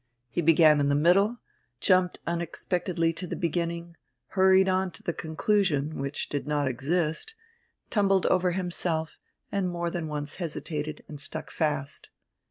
He began in the middle, jumped unexpectedly to the beginning, hurried on to the conclusion (which did not exist), tumbled over himself, and more than once hesitated and stuck fast.